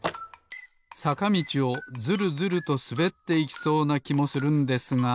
さかみちをズルズルとすべっていきそうなきもするんですが。